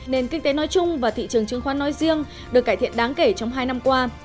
nền kinh tế nói chung và thị trường chứng khoán nói riêng được cải thiện đáng kể trong hai năm qua